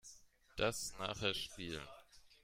Das nachher spielen.